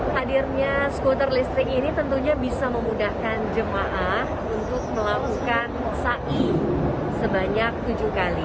hadirnya skuter listrik ini tentunya bisa memudahkan jemaah untuk melakukan ⁇ sai ⁇ sebanyak tujuh kali